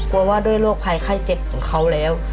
กลัวว่าด้วยโรคภายไข้เจ็บเขาแล้ว